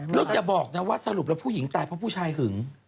แล้วอย่าบอกนะว่าสรุปแล้วผู้หญิงตายเพราะผู้ชายหึง